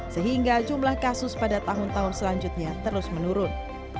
sehingga jumlah kasus pada tahun tahun selanjutnya terus menurun